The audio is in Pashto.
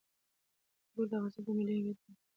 انګور د افغانستان د ملي هویت نښه ده.